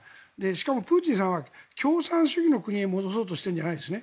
しかもプーチンさんは共産主義の国へ戻そうとしているんじゃないんです。